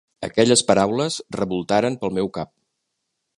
Aquelles paraules revoltaren pel meu cap.